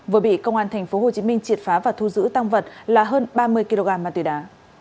vừa bị công an tp hcm triệt phá và thu giữ tăng vật là hơn ba mươi kg ma túy đá